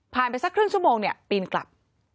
ผ่านไปสักครึ่งชั่วโมงปีนกลับ